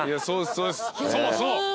そうそう！